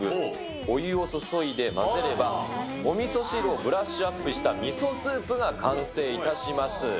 お湯を注いで混ぜれば、おみそ汁をブラッシュアップしたミソスープが完成いたします。